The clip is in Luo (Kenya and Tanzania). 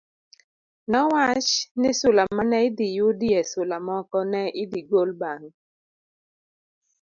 ne owach ni sula ma ne idhi yudie sula moko ne idhi gol bang'